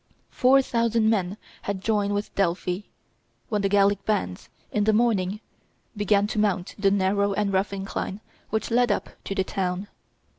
Four thousand men had joined within Delphi, when the Gallic bands, in the morning, began to mount the narrow and rough incline which led up to the town.